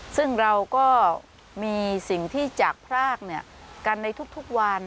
ซึ่งเราก็มีสิ่งที่จากพรากกันในทุกวัน